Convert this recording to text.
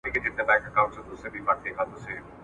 دونه پوچ کلمات ,